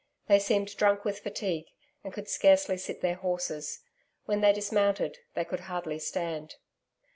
They seemed drunk with fatigue, and could scarcely sit their horses. When they dismounted they could hardly stand.